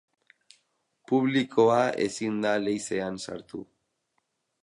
Publikoa ezin da leizean sartu.